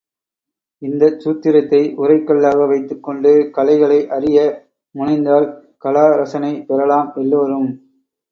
இந்தச் சூத்திரத்தை உரை கல்லாக வைத்துக் கொண்டு கலைகளை அறிய முனைந்தால் கலா ரசனை பெறலாம் எல்லோரும்.